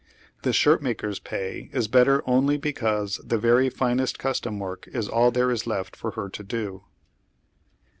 The shirtmaker's pay is better only becanse tlie very finest custom work is all there is left for lier to do.